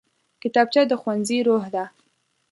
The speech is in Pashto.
کتابچه د ښوونځي روح ده